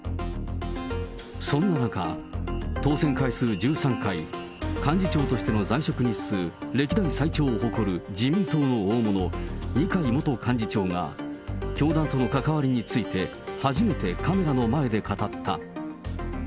そんな中、当選回数１３回、幹事長としての在職日数、歴代最長を誇る自民党の大物、二階元幹事長が、教団との関わりについて初めてカメラの前で語った。